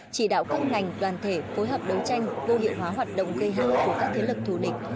chỉ đạo các ngành đoàn thể phối hợp đấu tranh vô hiệu hóa hoạt động gây hư của các thế lực thù địch